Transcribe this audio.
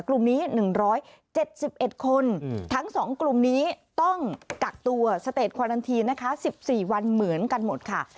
กลุ่มนี้๑๗๑คนทั้ง๒กลุ่มนี้ต้องกักตัวสเตจควันอันทีนะคะ๑๔วันเหมือนกันหมดค่ะ